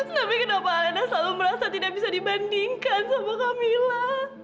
tapi kenapa anda selalu merasa tidak bisa dibandingkan sama camilla